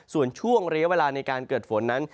ส่วนช่วงระยะเวลาในการเกิดฝนนั้น